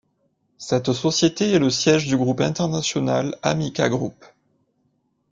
Cette société est le siège du groupe international Amica Group.